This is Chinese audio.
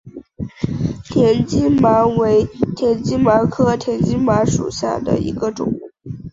田基麻为田基麻科田基麻属下的一个种。